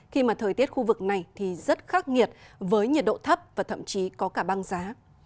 khi mà thời tiết khu vực này thì rất khắc nghiệt với nhiệt độ thấp và thậm chí có cả băng giá